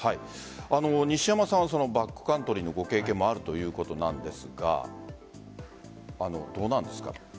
西山さんはバックカントリーのご経験もあるということなんですがどうなんですか？